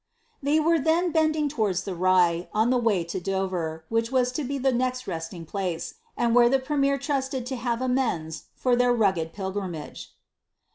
"' They were then balding towards the Rye, on the way to Dover, which was to be the next resting place, and where the premier trusted to have amends for their rugged pilgrimage.